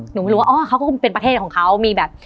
หนูไม่รู้ว่าซึ่งเป็นประเทศของเขามีแบบ